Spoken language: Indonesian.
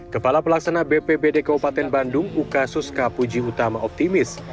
kepala pelaksana bpbd kabupaten bandung ukasus kapuji utama optimis